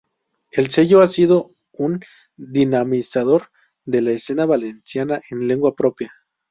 El sello ha sido un dinamizador de la escena valenciana en lengua propia.